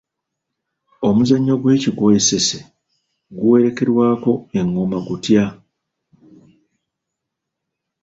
Omuzannyo gw’ekigwo e Ssese guwerekerwako engoma gutya?